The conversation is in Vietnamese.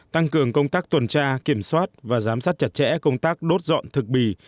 tăng cường công tác tuần tra kiểm soát và giám sát chặt chẽ công tác đốt dọn thực bì